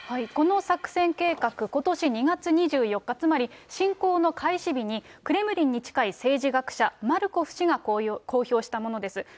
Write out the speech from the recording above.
この作戦計画、ことし２月２４日、つまり侵攻の開始日に、クレムリンに近い政治学者、マルコフ氏が公表したものです。